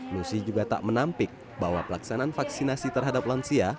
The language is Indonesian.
nusi juga tak menampik bahwa pelaksanaan vaksinasi terhadap lansia